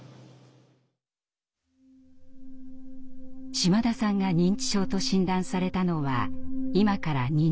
島田さんが認知症と診断されたのは今から２年前。